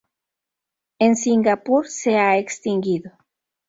En Singapur se ha extinguido.